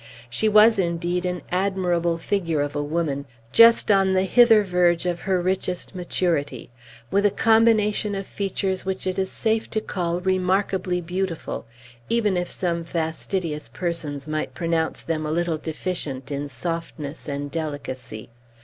She was, indeed, an admirable figure of a woman, just on the hither verge of her richest maturity, with a combination of features which it is safe to call remarkably beautiful, even if some fastidious persons might pronounce them a little deficient in softness and delicacy.